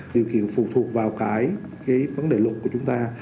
điều kiện phụ thuộc vào cái vấn đề luật của chúng ta